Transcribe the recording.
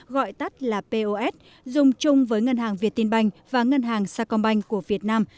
gọi tắt là pos dùng chung với ngân hàng việt tiên banh và ngân hàng sa công banh của việt nam